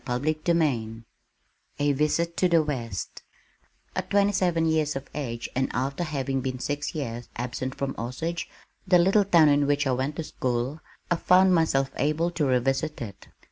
CHAPTER XXVIII A Visit to the West At twenty seven years of age, and after having been six years absent from Osage, the little town in which I went to school, I found myself able to revisit it.